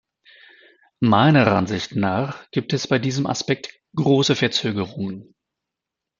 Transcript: Meiner Ansicht nach, gibt es bei diesem Aspekt große Verzögerungen.